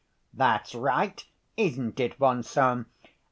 That's right, isn't it, von Sohn?